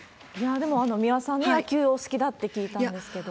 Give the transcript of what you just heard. でも、三輪さんね、野球お好きだって聞いたんですけれども。